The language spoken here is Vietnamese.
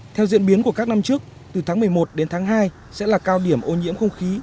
theo diễn biến của các năm trước từ tháng một mươi một đến tháng hai sẽ là cao điểm ô nhiễm không khí